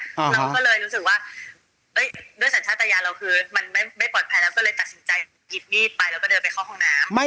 เราก็เลยรู้สึกว่าด้วยสัญชาติยานเราคือมันไม่ปลอดภัยแล้วก็เลยตัดสินใจหยิบมีดไปแล้วก็เดินไปเข้าห้องน้ำ